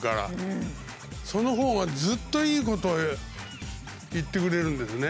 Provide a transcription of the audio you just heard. そのほうがずっといいことを言ってくれるんですね。